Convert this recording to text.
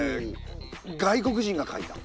外国人が書いた。